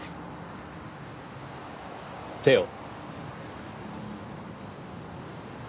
手を。